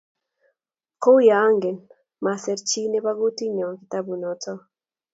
Kouyo angen, maser chiti nebo kutit nyo kitabut noto